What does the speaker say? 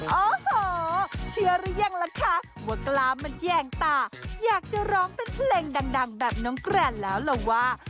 โอ้โหเชื่อหรือยังล่ะคะว่ากล้ามมันแยงตาอยากจะร้องเป็นเพลงดังแบบน้องแกรนแล้วล่ะว่า